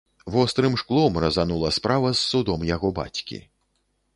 Вострым шклом разанула справа з судом яго бацькі.